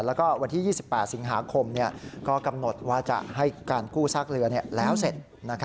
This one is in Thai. แล้วก็วันที่๒๘สิงหาคมก็กำหนดว่าจะให้การกู้ซากเรือแล้วเสร็จ